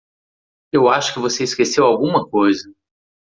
Eu acho que você esqueceu alguma coisa.